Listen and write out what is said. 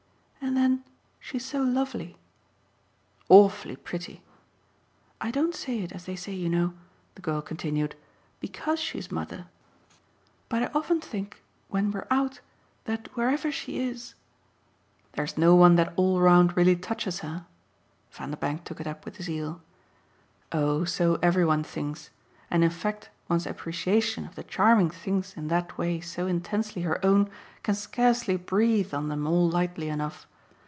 "And then she's so lovely." "Awfully pretty!" "I don't say it, as they say, you know," the girl continued, "BECAUSE she's mother, but I often think when we're out that wherever she is !" "There's no one that all round really touches her?" Vanderbank took it up with zeal. "Oh so every one thinks, and in fact one's appreciation of the charming things in that way so intensely her own can scarcely breathe on them all lightly enough.